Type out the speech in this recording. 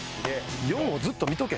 ４をずっと見とけ。